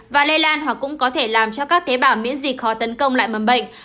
và lây lan hoặc cũng có thể làm cho các tế bào miễn dịch khó tấn công lại mầm bệnh